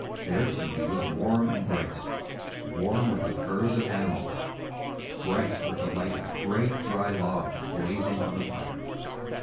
Their tepee was warm and bright—warm with the furs of animals, bright with the light of great dry logs blazing on the fire.